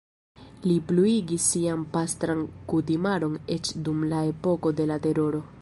Li pluigis sian pastran kutimaron eĉ dum la epoko de la Teroro.